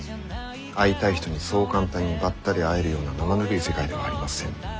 会いたい人にそう簡単にばったり会えるようななまぬるい世界ではありません。